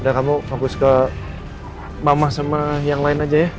kamu fokus ke mama sama yang lain aja ya